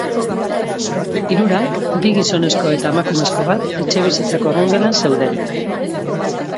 Hirurak, bi gizonezko eta emakumezko bat, etxebizitzako egongelan zeuden.